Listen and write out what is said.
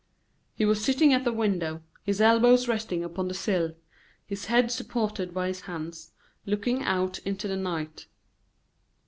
He was sitting at the window, his elbows resting upon the sill, his head supported by his hands, looking out into the night.